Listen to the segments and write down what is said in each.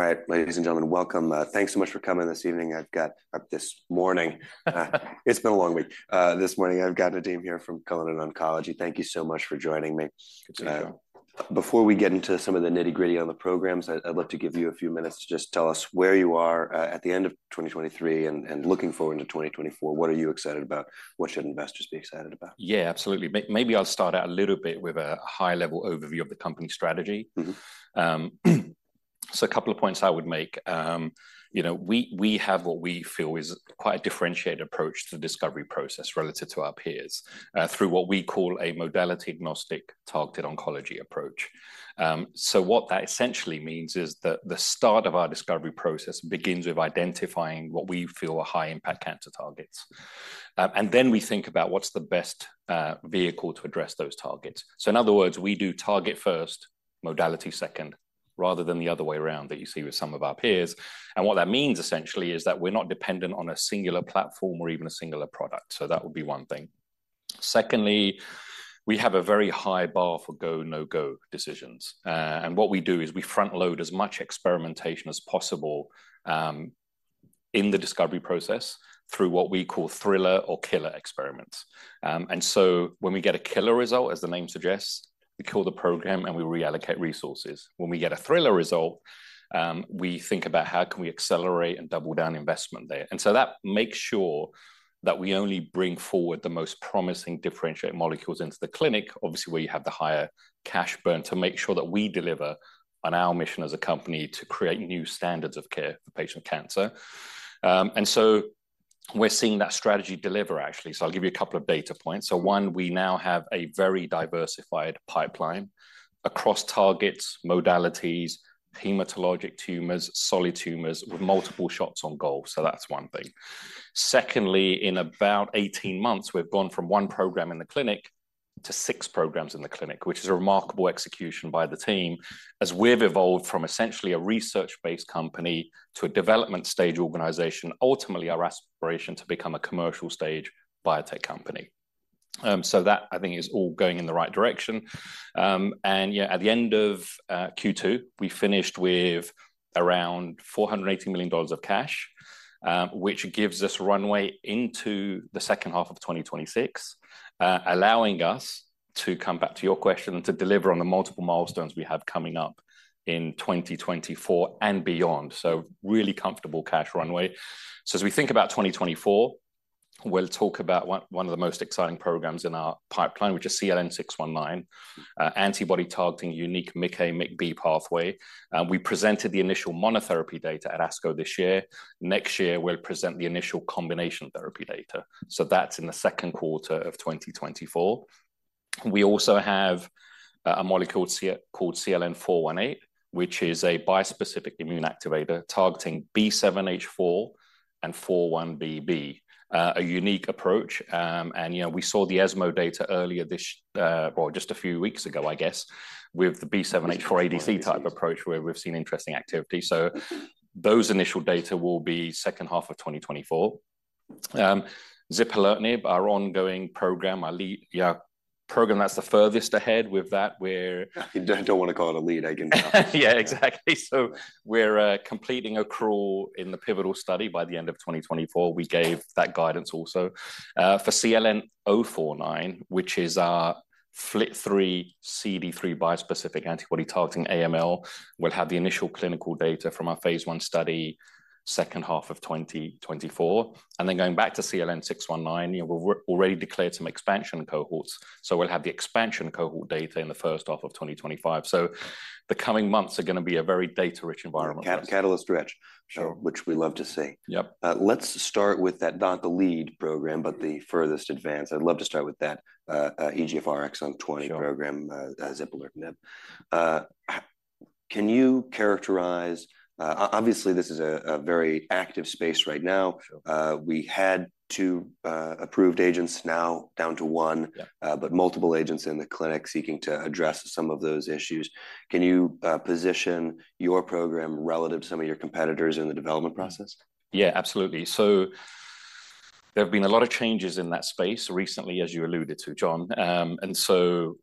All right, ladies and gentlemen, welcome. Thanks so much for coming this evening. I've got- this morning. It's been a long week. This morning I've got Nadim here from Cullinan Therapeutics. Thank you so much for joining me. Good to see you, Jon. Before we get into some of the nitty-gritty on the programs, I'd like to give you a few minutes to just tell us where you are at the end of 2023, and looking forward into 2024, what are you excited about? What should investors be excited about? Yeah, absolutely. Maybe I'll start out a little bit with a high-level overview of the company strategy. So a couple of points I would make. You know, we have what we feel is quite a differentiated approach to the discovery process relative to our peers, through what we call a modality-agnostic, targeted oncology approach. So what that essentially means is that the start of our discovery process begins with identifying what we feel are high-impact cancer targets. And then we think about what's the best vehicle to address those targets. So in other words, we do target first, modality second, rather than the other way around that you see with some of our peers. And what that means, essentially, is that we're not dependent on a singular platform or even a singular product. So that would be one thing. Secondly, we have a very high bar for go, no-go decisions. What we do is we front-load as much experimentation as possible in the discovery process through what we call thriller or killer experiments. So when we get a killer result, as the name suggests, we kill the program, and we reallocate resources. When we get a thriller result, we think about how can we accelerate and double down investment there. And so that makes sure that we only bring forward the most promising differentiated molecules into the clinic, obviously, where you have the higher cash burn, to make sure that we deliver on our mission as a company to create new standards of care for patients with cancer. So we're seeing that strategy deliver, actually. I'll give you a couple of data points. So one, we now have a very diversified pipeline across targets, modalities, hematologic tumors, solid tumors, with multiple shots on goal. So that's one thing. Secondly, in about 18 months, we've gone from one program in the clinic to six programs in the clinic, which is a remarkable execution by the team, as we've evolved from essentially a research-based company to a development-stage organization. Ultimately, our aspiration to become a commercial-stage biotech company. So that, I think, is all going in the right direction. And yeah, at the end of Q2, we finished with around $480 million of cash, which gives us runway into the second half of 2026, allowing us, to come back to your question, to deliver on the multiple milestones we have coming up in 2024 and beyond. So really comfortable cash runway. So as we think about 2024, we'll talk about one of the most exciting programs in our pipeline, which is CLN-619, an antibody targeting unique MICA/MICB pathway. We presented the initial monotherapy data at ASCO this year. Next year, we'll present the initial combination therapy data, so that's in the second quarter of 2024. We also have a molecule called CLN-418, which is a bispecific immune activator targeting B7H4 and 4-1BB. A unique approach, and, you know, we saw the ESMO data earlier this, well, just a few weeks ago, I guess, with the B7H4 ADC type of approach- -where we've seen interesting activity. So those initial data will be second half of 2024. Zipalertinib, our ongoing program, our lead, yeah, program that's the furthest ahead with that, we're- You don't want to call it a lead again. Yeah, exactly. So we're completing accrual in the pivotal study by the end of 2024. We gave that guidance also. For CLN-049, which is our FLT3/CD3 bispecific antibody targeting AML, we'll have the initial clinical data from our phase I study, second half of 2024. And then going back to CLN-619, we've already declared some expansion cohorts, so we'll have the expansion cohort data in the first half of 2025. So the coming months are going to be a very data-rich environment. Catalyst rich. Sure. Which we love to see. Let's start with that, not the lead program, but the furthest advanced. I'd love to start with that, EGFR exon 20 program- Sure. Zipalertinib. Can you characterize... Obviously, this is a very active space right now. Sure. We had two approved agents, now down to one. But multiple agents in the clinic seeking to address some of those issues. Can you position your program relative to some of your competitors in the development process? Yeah, absolutely. So there have been a lot of changes in that space recently, as you alluded to, Jon. And so,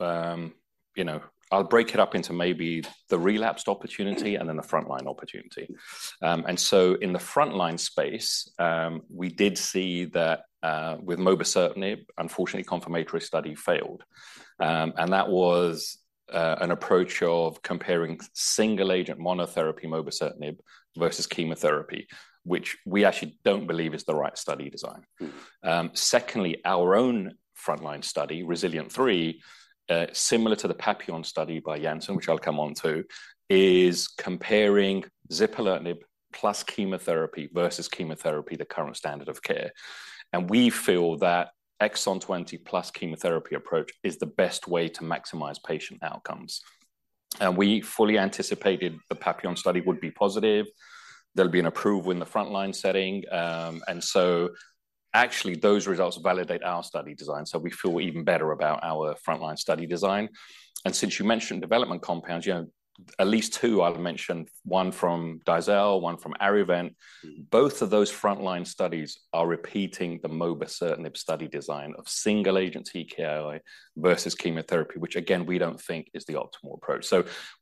you know, I'll break it up into maybe the relapsed opportunity and then the front-line opportunity. And so in the front-line space, we did see that, with mobocertinib, unfortunately, confirmatory study failed. And that was, an approach of comparing single-agent monotherapy mobocertinib versus chemotherapy, which we actually don't believe is the right study design. Secondly, our own front-line study, REZILIENT3, similar to the PAPILLON study by Janssen, which I'll come on to, is comparing zipalertinib plus chemotherapy versus chemotherapy, the current standard of care. And we feel that exon 20 plus chemotherapy approach is the best way to maximize patient outcomes. And we fully anticipated the PAPILLON study would be positive. There'll be an approval in the front-line setting. And so actually, those results validate our study design, so we feel even better about our front-line study design. And since you mentioned development compounds, you know, at least two I'll mention, one from Dizal, one from ArriVent. Both of those frontline studies are repeating the mobocertinib study design of single-agent TKI versus chemotherapy, which, again, we don't think is the optimal approach.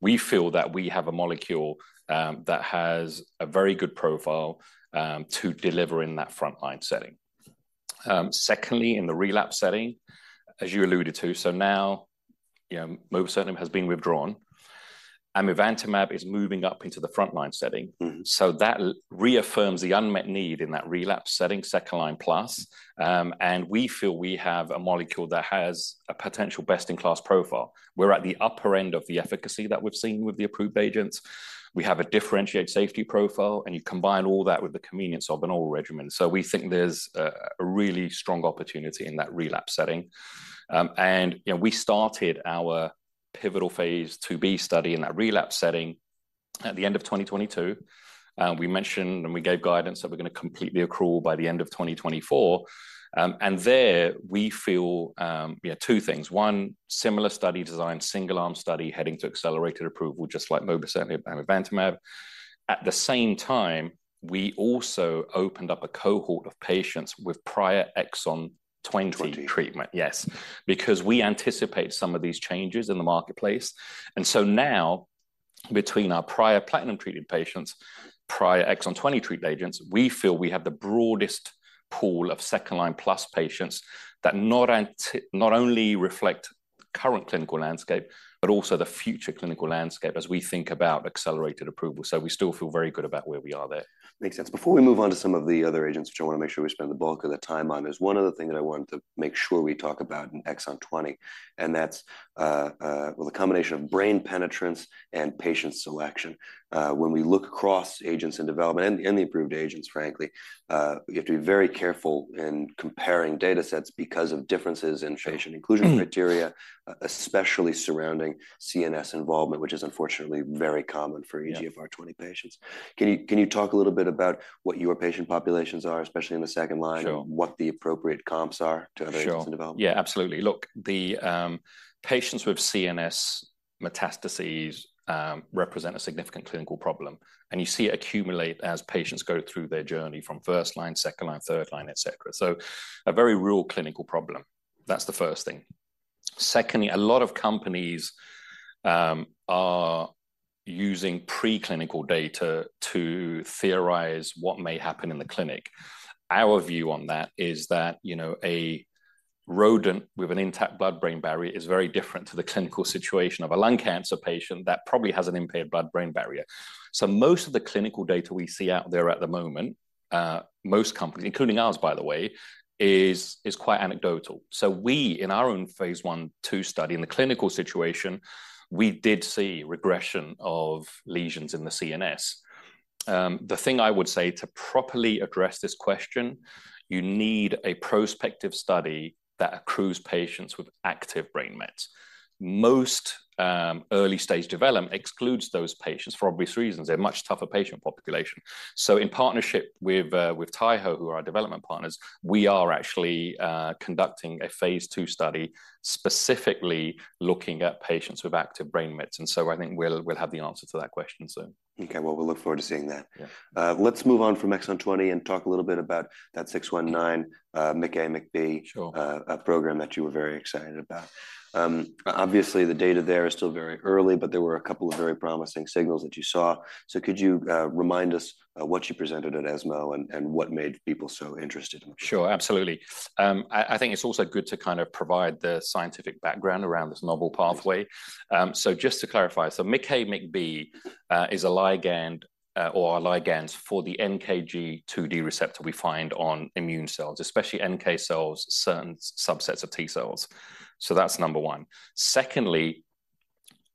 We feel that we have a molecule that has a very good profile to deliver in that frontline setting. Secondly, in the relapse setting, as you alluded to, so now, you know, mobocertinib has been withdrawn, amivantamab is moving up into the frontline setting. So that reaffirms the unmet need in that relapse setting, second-line plus. And we feel we have a molecule that has a potential best-in-class profile. We're at the upper end of the efficacy that we've seen with the approved agents. We have a differentiated safety profile, and you combine all that with the convenience of an oral regimen. So we think there's a really strong opportunity in that relapse setting. And, you know, we started our pivotal phase IIb study in that relapse setting at the end of 2022. And we mentioned, and we gave guidance that we're going to completely accrue by the end of 2024. And there we feel, you know, two things. One, similar study design, single-arm study, heading to accelerated approval, just like mobocertinib and amivantamab. At the same time, we also opened up a cohort of patients with prior exon 20- Twenty. -treatment. Yes, because we anticipate some of these changes in the marketplace. And so now, between our prior platinum-treated patients, prior exon 20-treated agents, we feel we have the broadest pool of second-line-plus patients that not only reflect the current clinical landscape, but also the future clinical landscape as we think about accelerated approval. So we still feel very good about where we are there. Makes sense. Before we move on to some of the other agents, which I want to make sure we spend the bulk of the time on, there's one other thing that I wanted to make sure we talk about in exon 20, and that's the combination of brain penetrance and patient selection. When we look across agents in development, and the approved agents, frankly, we have to be very careful in comparing datasets because of differences in patient inclusion criteria. Especially surrounding CNS involvement, which is unfortunately very common for-EGFR 20 patients. Can you, can you talk a little bit about what your patient populations are, especially in the second line? Sure. What the appropriate comps are to other- Sure Agents in development? Yeah, absolutely. Look, the patients with CNS metastases represent a significant clinical problem, and you see it accumulate as patients go through their journey from first line, second line, third line, et cetera. So a very real clinical problem. That's the first thing. Secondly, a lot of companies are using preclinical data to theorize what may happen in the clinic. Our view on that is that, you know, a rodent with an intact blood-brain barrier is very different to the clinical situation of a lung cancer patient that probably has an impaired blood-brain barrier. So most of the clinical data we see out there at the moment, most companies, including ours, by the way, is quite anecdotal. So we, in our own phase I/II study, in the clinical situation, we did see regression of lesions in the CNS. The thing I would say to properly address this question, you need a prospective study that accrues patients with active brain mets. Most early-stage development excludes those patients for obvious reasons. They're a much tougher patient population. So in partnership with, with Taiho, who are our development partners, we are actually conducting a phase II study, specifically looking at patients with active brain mets. And so I think we'll, we'll have the answer to that question soon. Okay, well, we look forward to seeing that. Let's move on from exon 20 and talk a little bit about that CLN-619, MICA/MICB- Sure... a program that you were very excited about. Obviously, the data there is still very early, but there were a couple of very promising signals that you saw. So could you remind us what you presented at ESMO and what made people so interested? Sure, absolutely. I think it's also good to kind of provide the scientific background around this novel pathway. So just to clarify, so MICA/MICB is a ligand or are ligands for the NKG2D receptor we find on immune cells, especially NK cells, certain subsets of T cells. So that's number one. Secondly,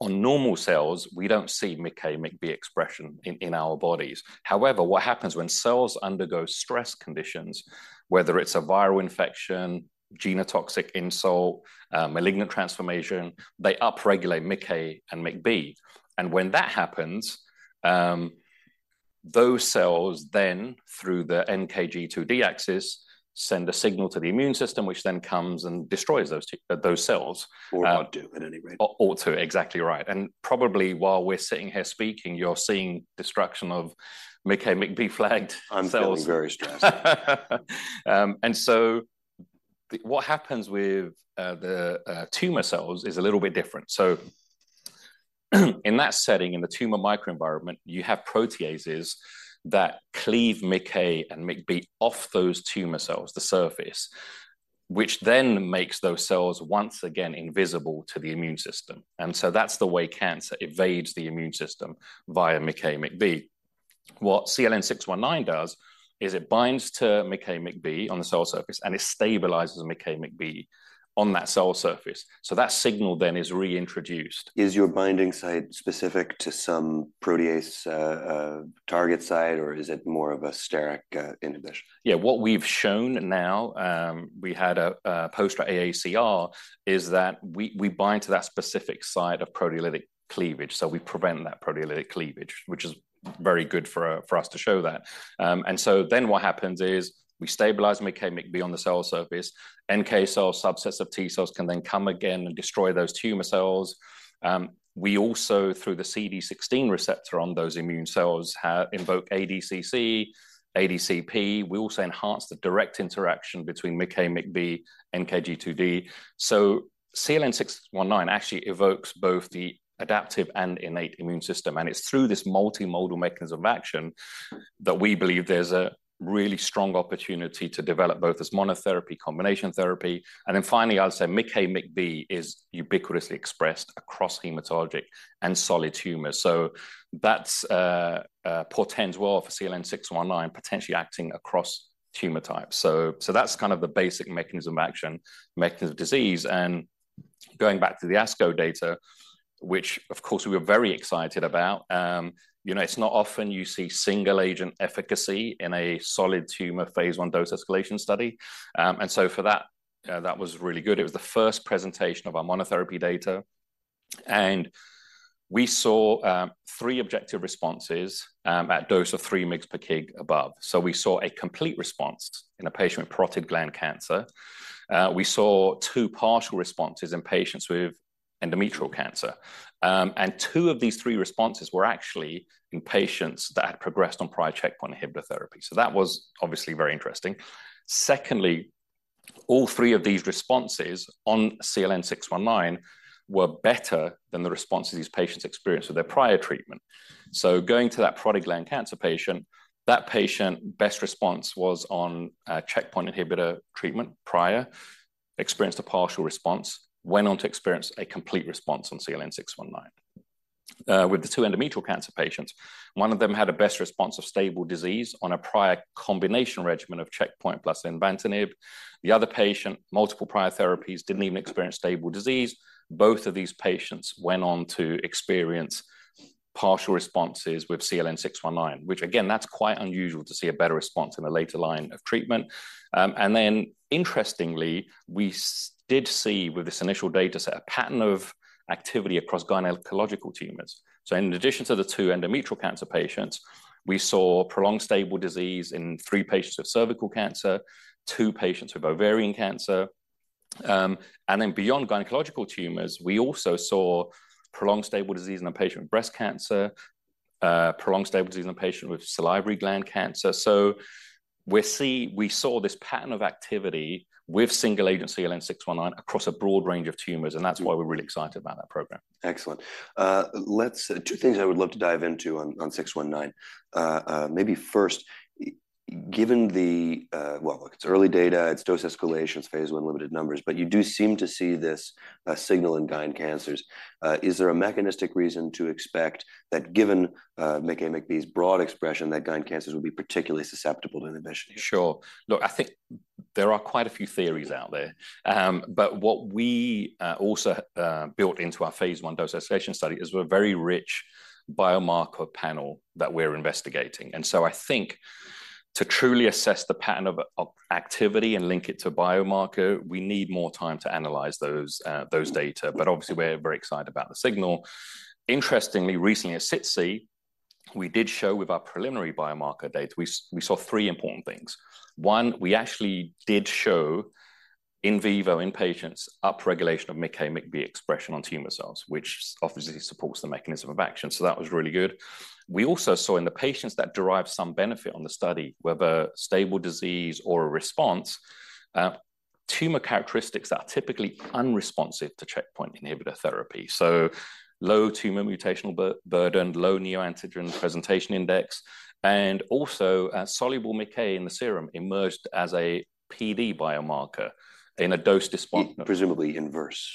on normal cells, we don't see MICA/MICB expression in our bodies. However, what happens when cells undergo stress conditions, whether it's a viral infection, genotoxic insult, malignant transformation, they upregulate MICA and MICB. And when that happens, those cells then, through the NKG2D axis, send a signal to the immune system, which then comes and destroys those cells. Or ought to, in any rate. Ought to. Exactly right. And probably while we're sitting here speaking, you're seeing destruction of MICA/MICB-flagged cells. I'm feeling very stressed. So what happens with the tumor cells is a little bit different. So, in that setting, in the tumor microenvironment, you have proteases that cleave MICA and MICB off those tumor cells, the surface, which then makes those cells once again invisible to the immune system. So that's the way cancer evades the immune system via MICA/MICB. What CLN-619 does is it binds to MICA/MICB on the cell surface, and it stabilizes the MICA/MICB on that cell surface. So that signal then is reintroduced. Is your binding site specific to some protease target site, or is it more of a steric inhibition? Yeah, what we've shown now, we had a poster at AACR, is that we bind to that specific site of proteolytic cleavage. So we prevent that proteolytic cleavage, which is very good for us to show that. And so then what happens is we stabilize MICA/MICB on the cell surface, NK cell subsets of T-cells can then come again and destroy those tumor cells. We also, through the CD16 receptor on those immune cells, invoke ADCC, ADCP. We also enhance the direct interaction between MICA/MICB, NKG2D. So CLN-619 actually evokes both the adaptive and innate immune system, and it's through this multimodal mechanism of action that we believe there's a really strong opportunity to develop both as monotherapy, combination therapy. And then finally, I'll say MICA/MICB is ubiquitously expressed across hematologic and solid tumors. So that portends well for CLN-619, potentially acting across tumor types. So that's kind of the basic mechanism of action, mechanism of disease. And going back to the ASCO data, which of course, we were very excited about, you know, it's not often you see single-agent efficacy in a solid tumor phase I dose-escalation study. And for that, that was really good. It was the first presentation of our monotherapy data, and we saw 3 objective responses at dose of 3 mgs per kg above. So we saw a complete response in a patient with parotid gland cancer. We saw 2 partial responses in patients with endometrial cancer. And 2 of these 3 responses were actually in patients that had progressed on prior checkpoint inhibitor therapy. So that was obviously very interesting. Secondly, all three of these responses on CLN-619 were better than the responses these patients experienced with their prior treatment. So going to that parotid gland cancer patient, that patient, best response was on checkpoint inhibitor treatment prior, experienced a partial response, went on to experience a complete response on CLN-619. With the two endometrial cancer patients, one of them had a best response of stable disease on a prior combination regimen of checkpoint plus nivolumab. The other patient, multiple prior therapies, didn't even experience stable disease. Both of these patients went on to experience partial responses with CLN-619, which again, that's quite unusual to see a better response in a later line of treatment. And then interestingly, we did see with this initial data set, a pattern of activity across gynecological tumors. So in addition to the two endometrial cancer patients, we saw prolonged stable disease in three patients with cervical cancer, two patients with ovarian cancer. And then beyond gynecological tumors, we also saw prolonged stable disease in a patient with breast cancer, prolonged stable disease in a patient with salivary gland cancer. So we saw this pattern of activity with single agent CLN-619 across a broad range of tumors, and that's why we're really excited about that program. Excellent. Let's... Two things I would love to dive into on CLN-619. Maybe first, given the, well, look, it's early data, it's dose escalation, it's phase I, limited numbers, but you do seem to see this signal in GYN cancers. Is there a mechanistic reason to expect that, given MICA/MICB's broad expression, that GYN cancers will be particularly susceptible to inhibition? Sure. Look, I think there are quite a few theories out there. But what we also built into our phase I dose-escalation study is a very rich biomarker panel that we're investigating. And so I think to truly assess the pattern of activity and link it to a biomarker, we need more time to analyze those, those data. But obviously, we're very excited about the signal. Interestingly, recently at SITC, we did show with our preliminary biomarker data, we saw three important things. One, we actually did show in vivo, in patients, upregulation of MICA/MICB expression on tumor cells, which obviously supports the mechanism of action. So that was really good. We also saw in the patients that derived some benefit on the study, whether stable disease or a response, tumor characteristics are typically unresponsive to checkpoint inhibitor therapy, so low tumor mutational burden, low neoantigen presentation index, and also, soluble MICA in the serum emerged as a PD biomarker in a dose-responsive- Presumably inverse?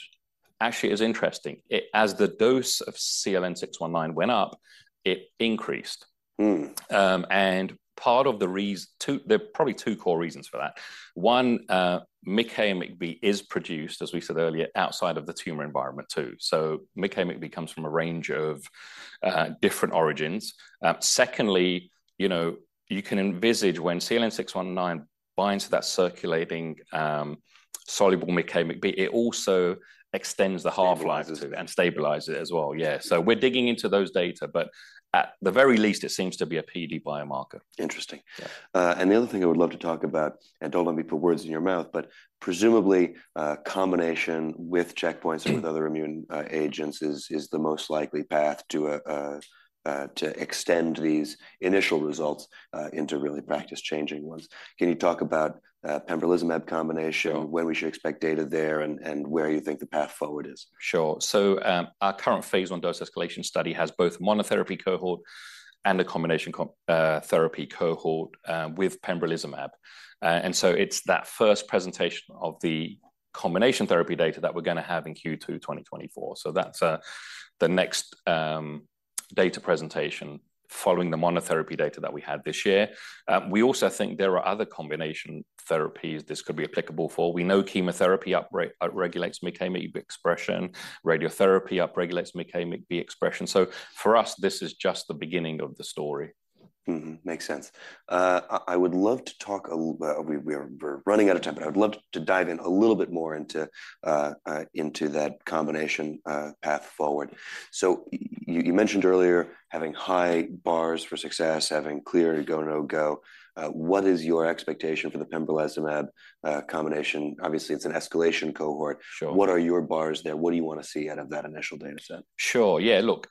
Actually, it's interesting. As the dose of CLN-619 went up, it increased. Two, there are probably two core reasons for that. One, MICA/MICB is produced, as we said earlier, outside of the tumor environment, too. So MICA/MICB comes from a range of different origins. Secondly, you know, you can envisage when CLN-619 binds to that circulating soluble MICA/MICB, it also extends the half-life-... Stabilizes it. -and stabilizes it as well. Yeah. So we're digging into those data, but at the very least, it seems to be a PD biomarker. Interesting. The other thing I would love to talk about, and don't let me put words in your mouth, but presumably, combination with checkpoints and with other immune agents is the most likely path to extend these initial results into really practice-changing ones. Can you talk about pembrolizumab combination- Sure. When we should expect data there, and where you think the path forward is? Sure. So, our current phase I dose-escalation study has both monotherapy cohort and a combination therapy cohort with pembrolizumab. And so it's that first presentation of the combination therapy data that we're going to have in Q2 2024. So that's the next data presentation following the monotherapy data that we had this year. We also think there are other combination therapies this could be applicable for. We know chemotherapy upregulates MICA/MICB expression, radiotherapy upregulates MICA/MICB expression. So for us, this is just the beginning of the story. Mm-hmm, makes sense. I would love to talk a little. We're running out of time, but I would love to dive in a little bit more into that combination path forward. So you mentioned earlier, having high bars for success, having clear go/no-go. What is your expectation for the pembrolizumab combination? Obviously, it's an escalation cohort. Sure. What are your bars there? What do you want to see out of that initial data set? Sure, yeah. Look,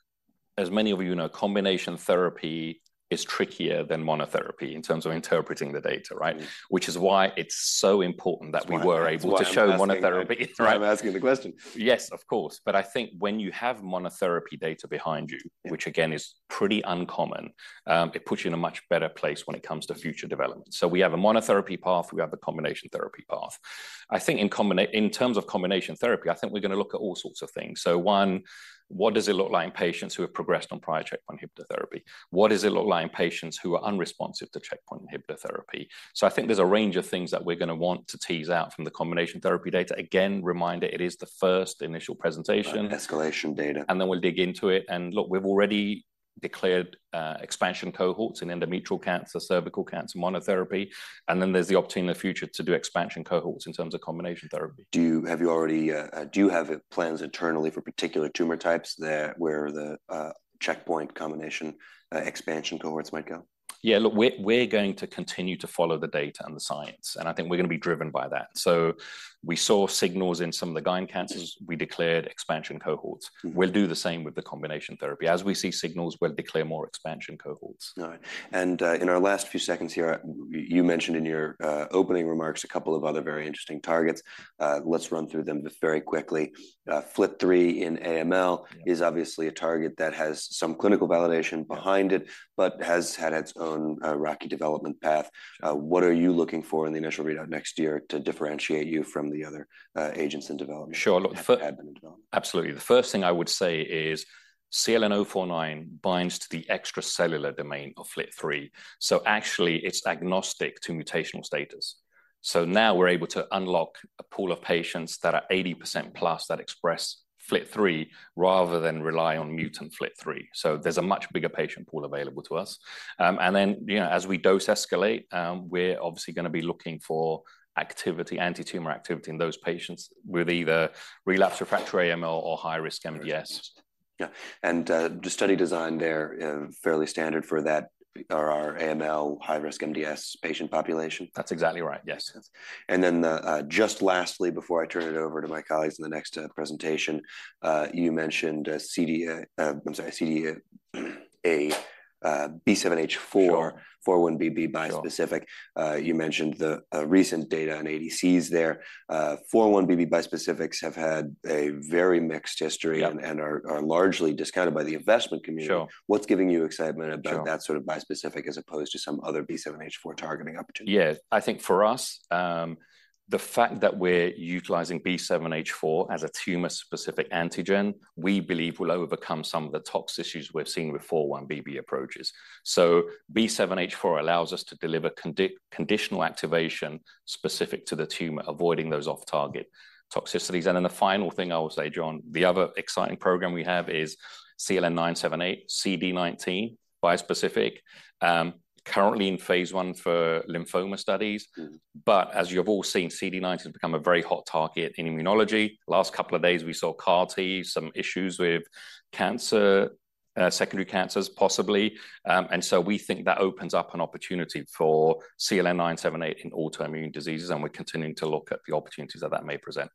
as many of you know, combination therapy is trickier than monotherapy in terms of interpreting the data, right? Which is why it's so important- That's why- that we were able to show monotherapy, right? I'm asking the question. Yes, of course. But I think when you have monotherapy data behind you-... which again, is pretty uncommon, it puts you in a much better place when it comes to future development. So we have a monotherapy path, we have the combination therapy path. I think in terms of combination therapy, I think we're going to look at all sorts of things. So one, what does it look like in patients who have progressed on prior checkpoint inhibitor therapy? What does it look like in patients who are unresponsive to checkpoint inhibitor therapy? So I think there's a range of things that we're going to want to tease out from the combination therapy data. Again, reminder, it is the first initial presentation. Escalation data. And then we'll dig into it. And look, we've already declared expansion cohorts in endometrial cancer, cervical cancer, monotherapy, and then there's the option in the future to do expansion cohorts in terms of combination therapy. Do you have plans internally for particular tumor types that where the checkpoint combination expansion cohorts might go? Yeah, look, we're going to continue to follow the data and the science, and I think we're going to be driven by that. So we saw signals in some of the gyn cancers, we declared expansion cohorts. We'll do the same with the combination therapy. As we see signals, we'll declare more expansion cohorts. All right. And, in our last few seconds here, you mentioned in your opening remarks a couple of other very interesting targets. Let's run through them just very quickly. FLT3 in AML-... is obviously a target that has some clinical validation behind it, but has had its own, rocky development path. Sure. What are you looking for in the initial readout next year to differentiate you from the other agents in development? Sure, look- That have been in development. Absolutely. The first thing I would say is CLN-049 binds to the extracellular domain of FLT3, so actually, it's agnostic to mutational status. So now we're able to unlock a pool of patients that are 80% plus that express FLT3, rather than rely on mutant FLT3. So there's a much bigger patient pool available to us. And then, you know, as we dose escalate, we're obviously going to be looking for activity, antitumor activity in those patients with either relapse/refractory AML or high-risk MDS. Yeah. And, the study design there, fairly standard for that, are our AML, high-risk MDS patient population? That's exactly right. Yes. Just lastly, before I turn it over to my colleagues in the next presentation, you mentioned CD- I'm sorry, CDA, B7H4- Sure... 4-1BB bispecific. Sure. You mentioned the recent data on ADCs there. 4-1BB bispecifics have had a very mixed history and are largely discounted by the investment community. Sure. What's giving you excitement about- Sure... that sort of bispecific, as opposed to some other B7H4 targeting opportunity? Yeah. I think for us, the fact that we're utilizing B7H4 as a tumor-specific antigen, we believe will overcome some of the tox issues we've seen with 4-1BB approaches. So B7H4 allows us to deliver conditional activation specific to the tumor, avoiding those off-target toxicities. And then the final thing I will say, John, the other exciting program we have is CLN-978, CD19 bispecific, currently in phase I for lymphoma studies. But as you've all seen, CD19 has become a very hot target in immunology. Last couple of days, we saw CAR-T, some issues with cancer, secondary cancers, possibly. And so we think that opens up an opportunity for CLN-978 in autoimmune diseases, and we're continuing to look at the opportunities that that may present.